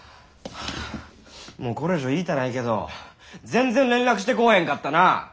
もうこれ以上言いたないけど全然連絡してこうへんかったな。